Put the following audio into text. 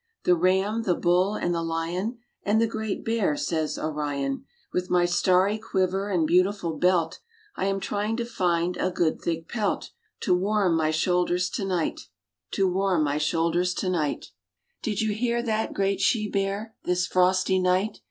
"The Ram, the Bull and the Lion, And the Great Bear," says Orion, "With my starry quiver and beautiful belt I am trying to find a good thick pelt To warm my shoulders to night, To warm my shoulders to night." RAINBOW GOLD "Did you hear that, Great She bear, This frosty night?"